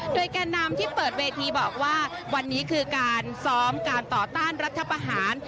โดยแก่นำที่เปิดเวทีบอกว่าวันนี้คือการซ้อมการต่อต้านรัฐประหาร